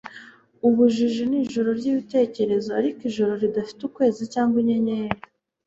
ubujiji ni ijoro ryibitekerezo, ariko ijoro ridafite ukwezi cyangwa inyenyeri